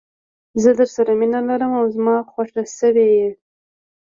زه درسره مینه لرم او زما خوښه شوي یې.